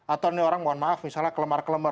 atau ini orang mohon maaf misalnya kelemar kelemah